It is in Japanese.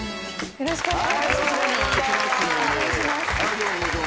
よろしくお願いします。